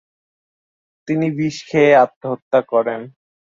তিনি বিষ খেয়ে আত্মহত্যা করেন।